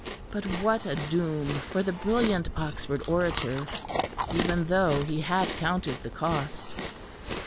But what a doom for the brilliant Oxford orator, even though he had counted the cost!